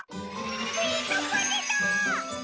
スイートポテト！